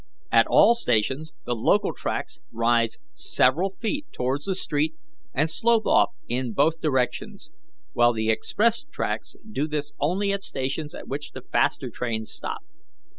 At all stations the local tracks rise several feet towards the street and slope off in both directions, while the express tracks do this only at stations at which the faster trains stop.